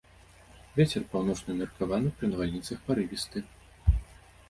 Вецер паўночны ўмеркаваны, пры навальніцах парывісты.